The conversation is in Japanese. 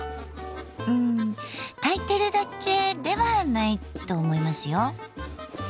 うん炊いてるだけではないと思いますよ。